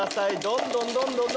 どんどんどんどん。